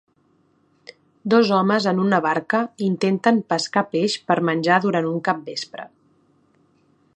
Dos homes en una barca intenten pescar peix per menjar durant un capvespre.